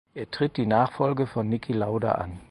Er tritt die Nachfolge von Niki Lauda an.